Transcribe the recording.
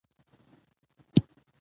د پښتو شاعري له امیر ګروړ څخه پیلېږي.